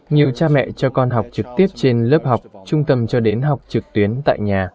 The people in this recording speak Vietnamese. nhiều cha mẹ cho con học trực tiếp trên lớp học trung tâm cho đến học trực tuyến tại nhà